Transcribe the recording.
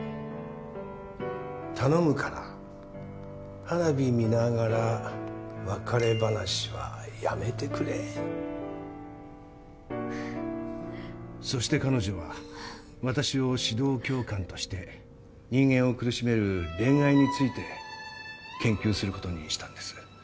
頼むから花火見ながら別れ話はやめてくれそして彼女は私を指導教官として人間を苦しめる恋愛について研究することにしたんです。